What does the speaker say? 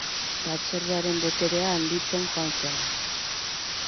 Batzordearen boterea handitzen joan zen.